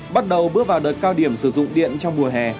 bắt đầu bước vào đợt cao điểm sử dụng điện trong mùa hè